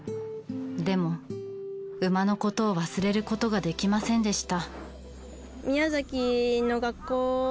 でも馬のことを忘れることができませんでした。